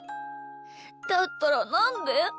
だったらなんで？